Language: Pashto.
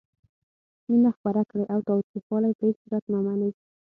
مینه خپره کړئ او تاوتریخوالی په هیڅ صورت مه منئ.